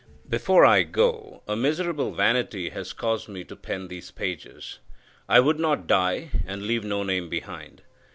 Before I go, a miserable vanity has caused me to pen these pages. I would not die, and leave no name behind.